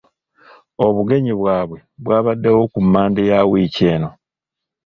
Obugenyi bwabwe bwabaddewo ku Mmande ya wiiki eno.